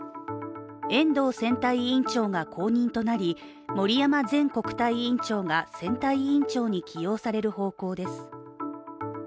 遠藤選対委員長が後任となり森山前国対委員長が選対委員長に起用される方向です。